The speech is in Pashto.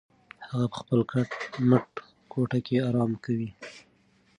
هغه په خپله کټ مټ کوټه کې ارام کوي.